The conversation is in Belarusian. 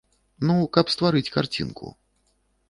Ну, каб стварыць карцінку.